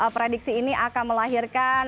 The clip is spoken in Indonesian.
prediksi ini akan melahirkan